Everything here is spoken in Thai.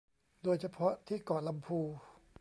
โดยเฉพาะที่เกาะลำพู